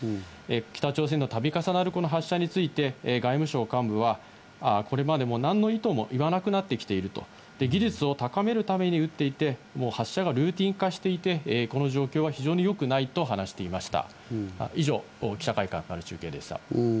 北朝鮮が度重なる発射について外務省幹部は、何の意図も言わなくなってきていると、技術を高めるために撃っていて、発射がルーティン化していて、この状況は非常によくないと話していました。